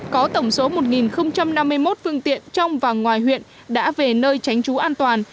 có tổng số một năm mươi một phương tiện trong và ngoài huyện đã về nơi tránh trú an toàn